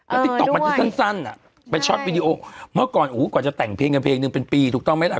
ติ๊กต๊อกมันจะสั้นอ่ะเป็นช็อตวิดีโอเมื่อก่อนโอ้โหกว่าจะแต่งเพลงกันเพลงหนึ่งเป็นปีถูกต้องไหมล่ะ